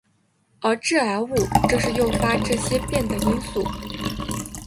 而致癌物正是诱发这些变的因素。